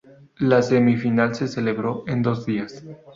La semifinal se celebró en dos días.